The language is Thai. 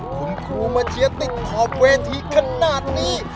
คุณครูมาเชียร์ติดขอบเวทีขนาดนี้